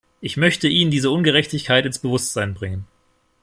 Ich möchte Ihnen diese Ungerechtigkeit ins Bewusstsein bringen.